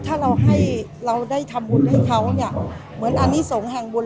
ถ้าเราให้เราได้ทำบุญให้เขาเนี่ยเหมือนอนิสงฆ์แห่งบุญ